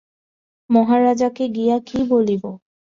মহারাজকে গিয়া কি বলিব?